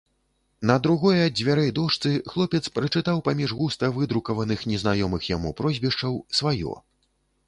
На другой ад дзвярэй дошцы хлапец прачытаў паміж густа выдрукаваных незнаёмых яму прозвішчаў сваё.